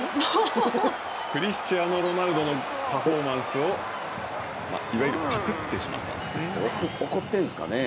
クリスチアーノ・ロナウドのパフォーマンスをいわゆるぱくってしまったんです怒ってるんですかね。